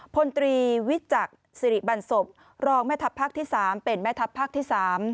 พลตรีวิจักษ์สิริบันศพรองแม่ทัพภาคที่๓เป็นแม่ทัพภาคที่๓